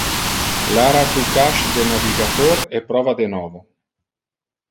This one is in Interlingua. Clara tu cache de navigator e prova de novo.